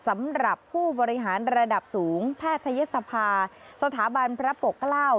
สำหรับผู้บริหารระดับสูงแพทยศภาสถาบันพระปกเกล้า